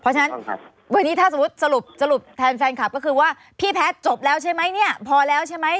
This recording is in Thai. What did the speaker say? เพราะฉะนั้นวันนี้ถ้าสมมุติสรุปแทนแฟนคลับก็คือว่าพี่แพทย์จบแล้วใช่ไหมเนี่ยพอแล้วใช่ไหม